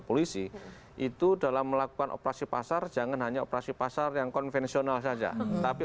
polisi itu dalam melakukan operasi pasar jangan hanya operasi pasar yang konvensional saja tapi